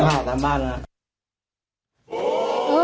อ่าตามบ้านล่ะ